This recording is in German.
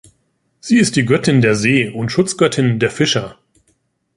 Sie ist die Göttin der See und Schutzgöttin der Fischer.